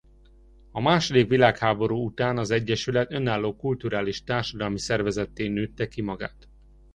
A második világháború után az egyesület önálló kulturális társadalmi szervezetté nőtte ki magát.